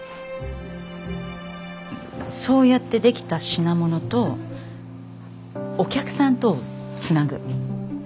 そうやって出来た品物とお客さんとをつなぐ。